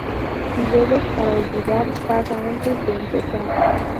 Si bebes para olvidar, paga antes de empezar